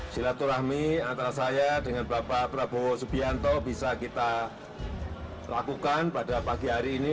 silaturahmi antara saya dengan bapak prabowo subianto bisa kita lakukan pada pagi hari ini